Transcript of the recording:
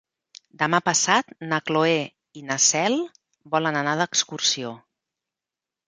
Demà passat na Cloè i na Cel volen anar d'excursió.